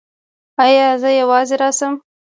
ایا زه یوازې راشم؟